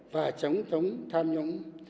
và chống thống tham nhũng